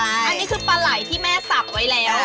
อันนี้คือปลาไหล่ที่แม่สับไว้แล้ว